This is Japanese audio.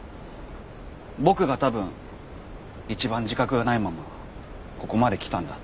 僕が多分一番自覚がないままここまで来たんだ。